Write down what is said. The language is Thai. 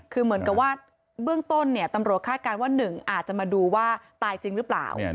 คือเหมือนกับว่าเบื้องต้นตำรวจคาดการณ์ว่า๑อาจจะมาดูว่าตายจริงหรือเปล่า